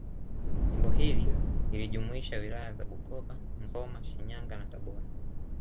Jimbo hili lilijumuisha Wilaya za Bukoba Musoma Shinyanga na Tabora